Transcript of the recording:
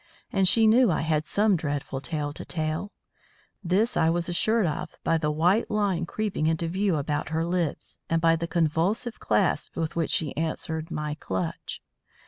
And she knew I had some dreadful tale to tell; this I was assured of by the white line creeping into view about her lips, and by the convulsive clasp with which she answered my clutch.